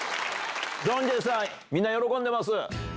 ジョンジェさん、みんな、喜んでます。